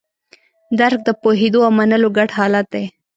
درک د پوهېدو او منلو ګډ حالت دی.